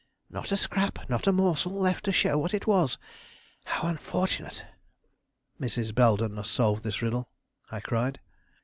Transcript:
"Not a scrap, not a morsel left to show what it was; how unfortunate!" "Mrs. Belden must solve this riddle," I cried.